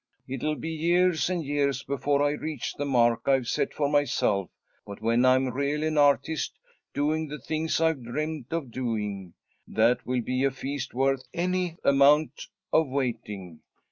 It'll be years and years before I reach the mark I've set for myself, but when I'm really an artist, doing the things I've dreamed of doing, that will be a feast worth any amount of waiting.'